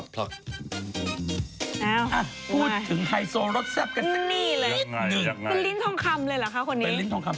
เป็นลิ้นทองคำ